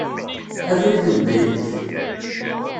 Abrid n baylek.